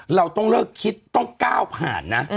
เราต้องเลิกคิดต้องก้าวผ่านนะ